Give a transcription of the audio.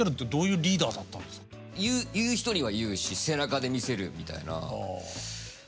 言う人には言うし背中で見せるみたいな感じだし。